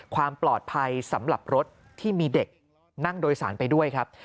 ความปลอดภัยสำหรับรถที่มีเด็กนั่งโดยสารไปด้วยครับ